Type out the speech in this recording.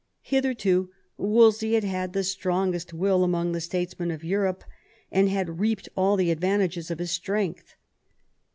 Hitherto Wolsey had had the strongest will amongst the statesmen of Europe, and had reaped all the advantages of his strength.